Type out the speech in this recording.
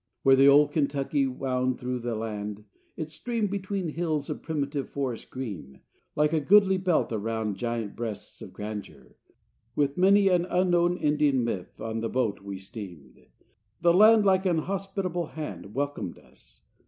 VII Where the old Kentucky wound Through the land, its stream between Hills of primitive forest green, Like a goodly belt around Giant breasts of grandeur; with Many an unknown Indian myth, On the boat we steamed. The land Like an hospitable hand Welcomed us.